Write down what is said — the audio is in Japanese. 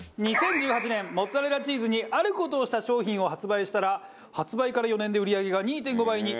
２０１８年モッツァレラチーズにある事をした商品を発売したら発売から４年で売り上げが２．５倍に。